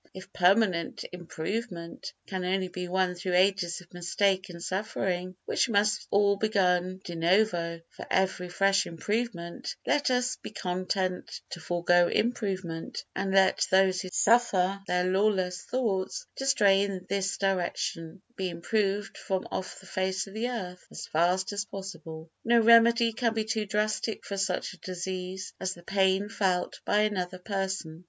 If permanent improvement can only be won through ages of mistake and suffering, which must be all begun de novo for every fresh improvement, let us be content to forego improvement, and let those who suffer their lawless thoughts to stray in this direction be improved from off the face of the earth as fast as possible. No remedy can be too drastic for such a disease as the pain felt by another person.